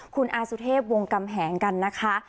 คุณอาสุเทพวงกำแหงกันนะคะ